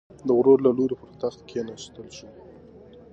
د ورور له لوري پر تخت کېناستل شو.